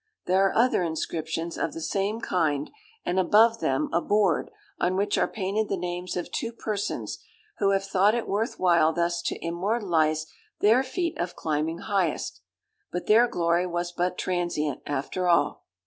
There are other inscriptions, of the same kind; and above them a board, on which are painted the names of two persons, who have thought it worth while thus to immortalize their feat of climbing highest. But their glory was but transient, after all.